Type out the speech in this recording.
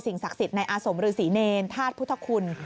ศักดิ์สิทธิ์ในอาสมฤษีเนรธาตุพุทธคุณ